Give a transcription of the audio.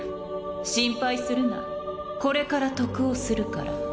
心配するなこれから得をするから。